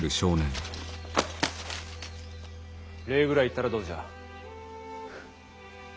礼ぐらい言ったらどうじゃ。